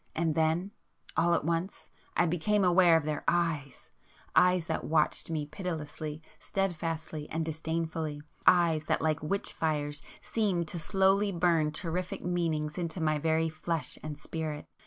And then—all at once—I became aware of their eyes,—eyes that watched me pitilessly, stedfastly, and disdainfully,—eyes that like witch fires, seemed to slowly burn terrific meanings into my very flesh and spirit.